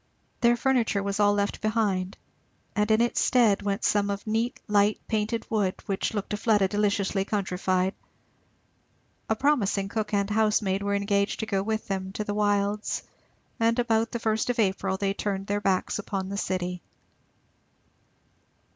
Their furniture was all left behind; and in its stead went some of neat light painted wood which looked to Fleda deliciously countryfied. A promising cook and housemaid were engaged to go with them to the wilds; and about the first of April they turned their backs upon the city.